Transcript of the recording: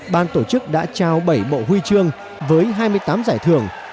ban tổ chức đã trao bảy bộ huy chương với hai mươi tám giải thưởng